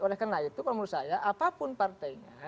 oleh karena itu kalau menurut saya apapun partainya